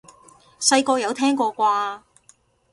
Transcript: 細個有聽過啩？